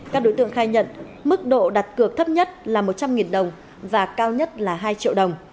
các đối tượng khai nhận mức độ đặt cược thấp nhất là một trăm linh đồng và cao nhất là hai triệu đồng